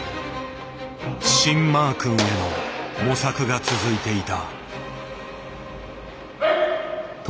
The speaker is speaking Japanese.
「シン・マー君」への模索が続いていた。